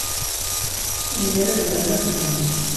Imir-a, zemren ad ddun.